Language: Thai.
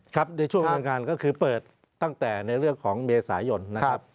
ครับในช่วงดำเนินการก็คือเปิดตั้งแต่ในเรื่องของเมษายนนะครับ